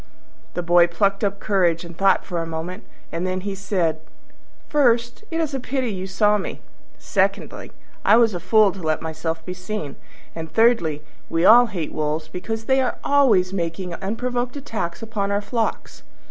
The Boy plucked up courage and thought for a moment, and then he said, "First, it is a pity you saw me; secondly, I was a fool to let myself be seen; and thirdly, we all hate wolves because they are always making unprovoked attacks upon our flocks."